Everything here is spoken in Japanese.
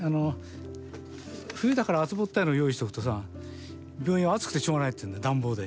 冬だから厚ぼったいの用意しとくとさ病院は暑くてしょうがないっていうんだ暖房で。